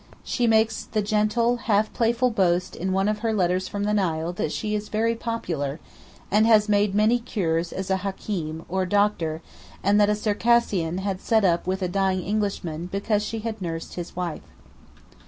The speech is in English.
She makes the gentle, half playful boast in one of her letters from the Nile that she is "very popular," and has made many cures as a Hakeem, or doctor, and that a Circassian had sat up with a dying Englishman because she had nursed his wife.